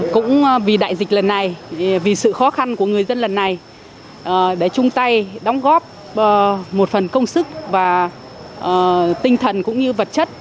cũng vì đại dịch lần này vì sự khó khăn của người dân lần này để chung tay đóng góp một phần công sức và tinh thần cũng như vật chất